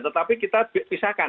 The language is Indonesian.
tetapi kita pisahkan